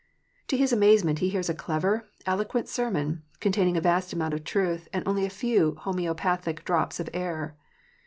To his amazement he hears a clever, eloquent sermon, containing a vast amount of truth, and only a few homoeopathic drops of error.